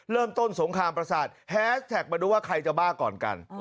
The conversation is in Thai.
เริ่มต้นสงครามประสาทแฮสแท็กมาดูว่าใครจะบ้าก่อนกัน